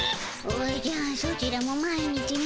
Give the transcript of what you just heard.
おじゃソチらも毎日毎。